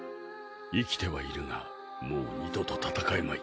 生きてはいるがもう二度と戦えまい。